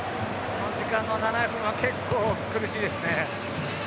この時間の７分は結構苦しいですね。